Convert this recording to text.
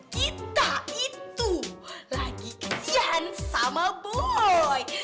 kita itu lagi kesian sama boy